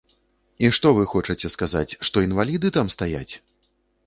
І што вы хочаце сказаць, што інваліды там стаяць?